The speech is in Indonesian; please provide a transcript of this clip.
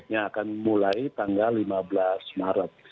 yang akan mulai tanggal lima belas maret